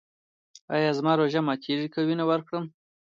ایا زما روژه ماتیږي که وینه ورکړم؟